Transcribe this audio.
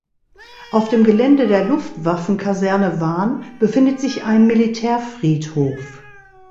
Auf dem Gelände der Luftwaffenkaserne Wahn befindet sich ein Militärfriedhof.